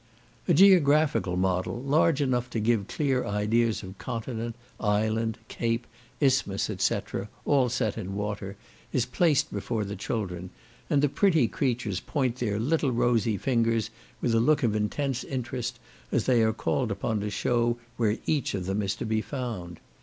A geographical model, large enough to give clear ideas of continent, island, cape, isthmus, et cetera, all set in water, is placed before the children, and the pretty creatures point their little rosy fingers with a look of intense interest, as they are called upon to shew where each of them is to be found.